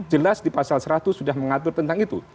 jelas di pasal seratus sudah mengatur tentang itu